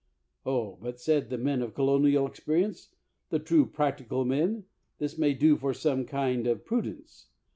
Oh, but, said the men of colonial experience — the true practical men — this may do for some kinds of produce.